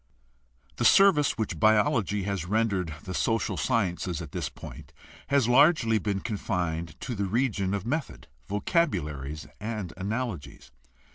The service which biology has rendered the social sciences at this point has largely been confined to the region of method, vocabularies, and analogies.